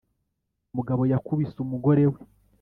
Umugabo yakubise umgore we